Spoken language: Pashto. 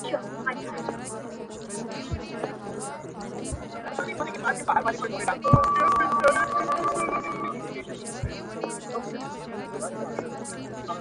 زما له ملا څخه په دې بد راځي ـ